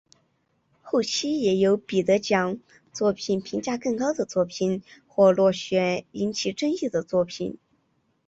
后期也有比得奖作品评价更高的作品或落选引起争议的作品。